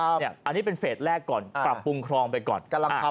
อันนี้เป็นเฟสแรกก่อนปรับปรุงครองไปก่อน